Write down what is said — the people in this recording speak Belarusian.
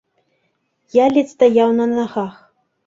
Я ледзь стаяў на нагах.